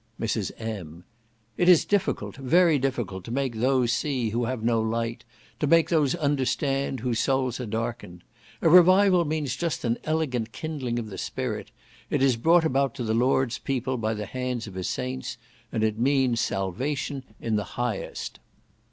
Mrs. M. "It is difficult, very difficult, to make those see who have no light; to make those understand whose souls are darkened. A revival means just an elegant kindling of the spirit; it is brought about to the Lord's people by the hands of his saints, and it means salvation in the highest."